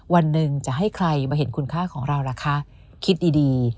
วันหนึ่งจะให้ใครมาเห็นคุณค่าของเราล่ะคะคิดดี